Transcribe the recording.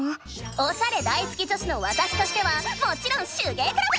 おしゃれ大好き女子のわたしとしてはもちろん手芸クラブ！